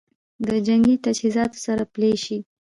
د جنګي تجهیزاتو سره پلي شي